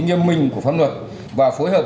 nhân minh của pháp luật và phối hợp